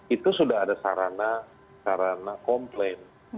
itu sudah ada sarana komplain